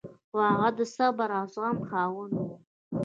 خو هغه د صبر او زغم خاوند و.